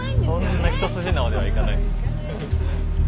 そんな一筋縄ではいかない。